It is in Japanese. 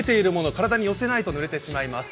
体に寄せないとぬれてしまいます。